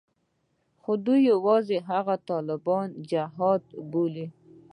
خو دوى يوازې هغه طالبان جهاد ته بيول.